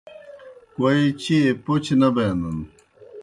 کوئے چیئے پوْچہ نہ بینَن۔